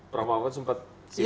prof mahfud sempat simpati dan